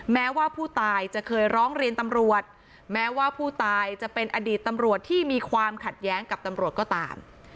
แม้ว่าผู้ตายจะเคยร้องเรียนตำรวจแม้ว่าผู้ตายจะเป็นอดีตตำรวจที่มีความขัดแย้งกับตำรวจก็ตาม